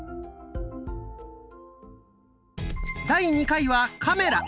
第２回はカメラ。